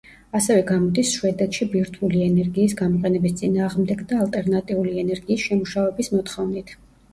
ასევე გამოდის შვედეთში ბირთვული ენერგიის გამოყენების წინააღმდეგ და ალტერნატიული ენერგიის შემუშავების მოთხოვნით.